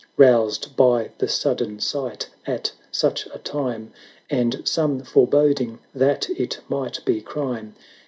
Roused by the sudden sight at such a time, And some foreboding that it might be crime.